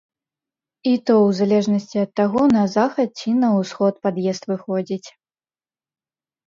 І то, у залежнасці ад таго, на захад ці на ўсход пад'езд выходзіць.